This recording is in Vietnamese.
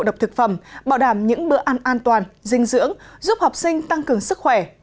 độc thực phẩm bảo đảm những bữa ăn an toàn dinh dưỡng giúp học sinh tăng cường sức khỏe